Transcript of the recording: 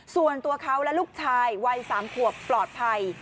ส่วนตัวเขาและลูกชายวัย๓ขวบปลอดภัย